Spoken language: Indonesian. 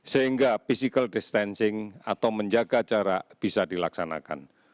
sehingga physical distancing atau menjaga jarak bisa dilaksanakan